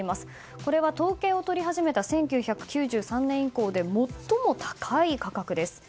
これは統計を取り始めた１９９３年以降で最も高い価格です。